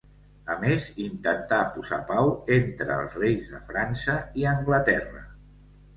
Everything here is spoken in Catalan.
A més, intentà posar pau entre els reis de França i Anglaterra.